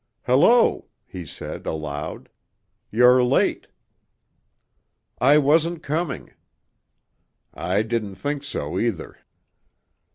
"Hello," he said aloud. "You're late." "I wasn't coming." "I didn't think so, either."